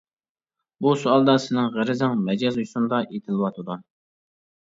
بۇ سوئالدا سېنىڭ غەرىزىڭ مەجاز يوسۇندا ئېيتىلىۋاتىدۇ.